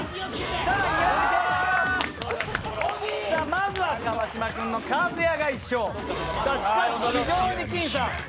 まずは川島君の一八が１勝、しかし、非常に僅差。